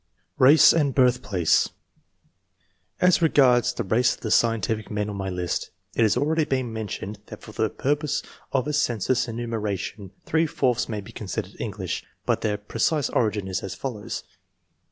RACE AND BIRTHPLACE. As regards the race of the scientific men on my list, it has already been mentioned that for the purposes of a census enumeration three fourths may be considered English, but their precise origin is as follows.